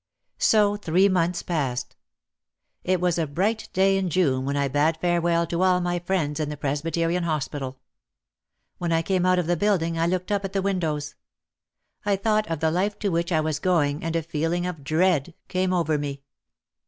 So three months passed. It was a bright day in June when I bade farewell to all my friends in the Presbyterian Hospital. When I came out of the building I looked up at the windows. I thought of the life to which I was going and a feeling of dread came over me.